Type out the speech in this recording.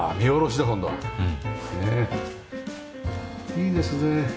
いいですね